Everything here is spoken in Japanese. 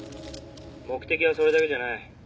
目的はそれだけじゃない。